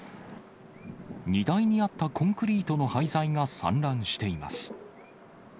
荷台にあったコンクリートの廃材が散乱しています。